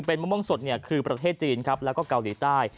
เป็นมะม่วงสดคือประเทศจีนครับแล้วก็เกาหลีใต้